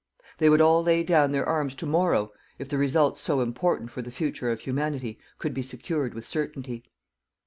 They would all lay down their arms to morrow, if the results so important for the future of Humanity could be secured with certainty.